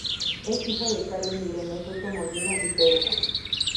Es hija de Carmen Irene Soto Molina y Pedro Cruz.